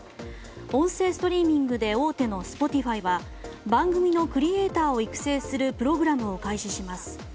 音声ストリーミングで大手のＳｐｏｔｉｆｙは番組のクリエーターを育成するプログラムを開始します。